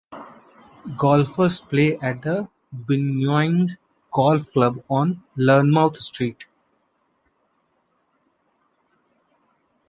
Golfers play at the Buninyong Golf Club on Learmonth Street.